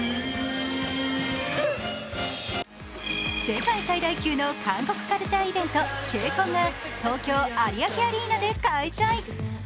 世界最大級の韓国カルチャーイベントＫＣＯＮが東京・有明アリーナで開催。